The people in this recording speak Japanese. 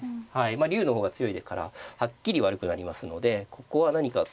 竜の方が強いからはっきり悪くなりますのでここは何か。